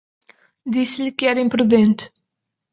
disse-lhe que era imprudente